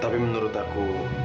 tapi menurut aku